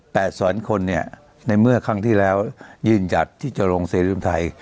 แปดสวรรค์คนเนี้ยในเมื่อครั้งที่แล้วยืนจัดที่จะลงเศรษฐธิบัทไทย